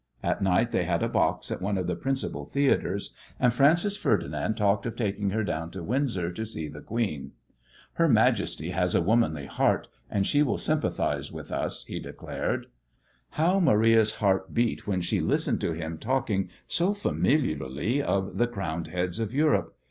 At night they had a box at one of the principal theatres, and Francis Ferdinand talked of taking her down to Windsor to see the Queen. "Her Majesty has a womanly heart, and she will sympathize with us," he declared. How Maria's heart beat when she listened to him talking so familiarly of the crowned heads of Europe!